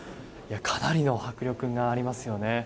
かなりの迫力がありますよね。